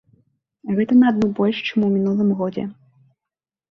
Гэта на адну больш, чым у мінулым годзе.